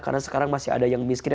karena sekarang masih ada yang miskin